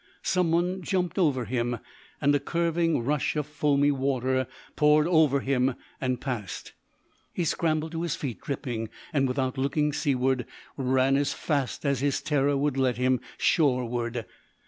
Someone jumped over him, and a curving rush of foamy water poured over him, and passed. He scrambled to his feet dripping, and, without looking seaward, ran as fast as his terror would let him shoreward.